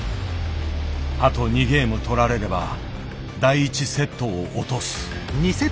あと２ゲーム取られれば第１セットを落とす。